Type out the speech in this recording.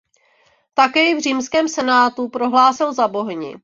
Také ji v římském senátu prohlásil za bohyni.